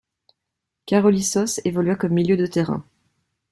Károly Sós évolua comme milieu de terrain.